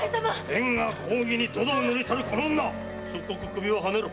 天下公儀に泥を塗りたるこの女即刻首をはねろ！